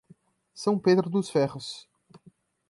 São Pedro dos Ferros